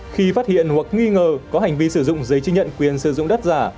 khi phát hiện hoặc nghi ngờ có hành vi sử dụng giấy chứng nhận quyền sử dụng đất giả